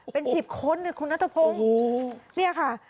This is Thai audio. เป็นสิบคนคุณนัทพงศ์โอ้โหเนี่ยค่ะ